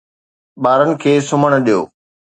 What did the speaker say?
ٻارن کي سمهڻ ڏيو